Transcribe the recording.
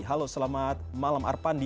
halo selamat malam arpandi